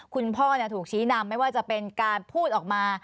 คุณพ่อถูกชี้นำไม่ว่าจะเป็นการพูดออกมา